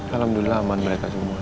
alhamdulillah aman mereka semua